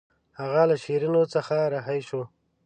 هغه له شیرینو څخه رهي شو.